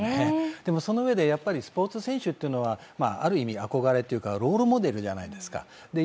でもそのうえで、スポーツ選手というのは、ある意味、憧れというかロールモデルじゃないですか。